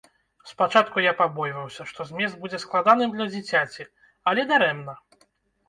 Спачатку я пабойваўся, што змест будзе складаным для дзіцяці, але дарэмна.